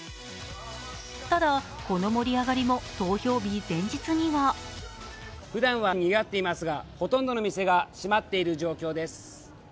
ただ、この盛り上がりも投票日前日にはふだんはにぎわっていますがほとんどの店が閉まっている状況です。